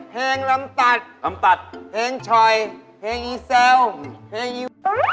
เพลงลำตัดเพลงชอยเพลงอีแซลเพลงอี